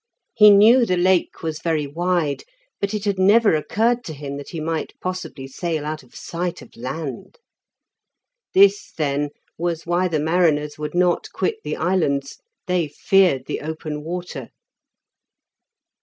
He knew the Lake was very wide, but it had never occurred to him that he might possibly sail out of sight of land. This, then was why the mariners would not quit the islands; they feared the open water.